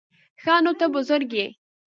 _ښه نو، ته بزرګ يې؟